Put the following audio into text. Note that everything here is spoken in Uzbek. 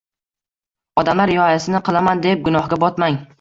Odamlar rioyasini qilaman, deb gunohga botmang.